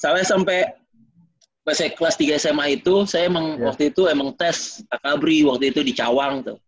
saya sampai kelas tiga sma itu saya emang waktu itu emang tes akabri waktu itu di cawang tuh